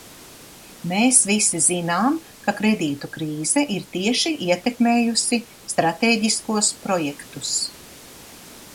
Mēs visi zinām, ka kredītu krīze ir tieši ietekmējusi stratēģiskos projektus.